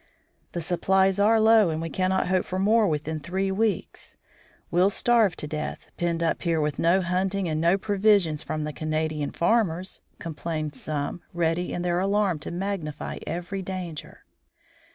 "The supplies are low and we cannot hope for more within three weeks. We'll starve to death, penned up here with no hunting and no provisions from the Canadian farmers," complained some, ready in their alarm to magnify every danger.